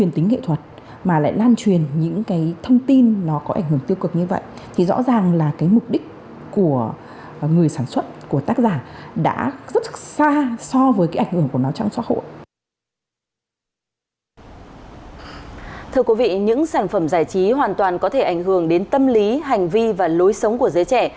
thưa quý vị những sản phẩm giải trí hoàn toàn có thể ảnh hưởng đến tâm lý hành vi và lối sống của giới trẻ